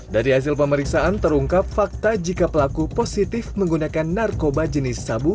dari hasil pemeriksaan terungkap fakta jika pelaku positif menggunakan narkoba jenis sabu